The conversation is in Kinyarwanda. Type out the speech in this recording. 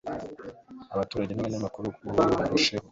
abaturage n abanyamakuru barusheho